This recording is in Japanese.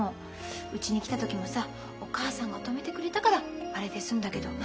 うちに来た時もさお母さんが止めてくれたからあれで済んだけど。